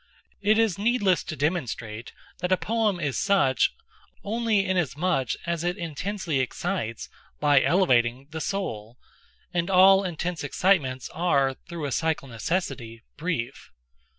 It is needless to demonstrate that a poem is such, only inasmuch as it intensely excites, by elevating, the soul; and all intense excitements are, through a psychal necessity, brief.